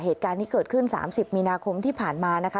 เหตุการณ์นี้เกิดขึ้น๓๐มีนาคมที่ผ่านมานะคะ